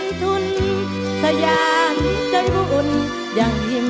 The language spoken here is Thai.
คนไทยรักชาและศาสนาชาติองเจ้าภูทรงเพียงเหนือนาวุ่น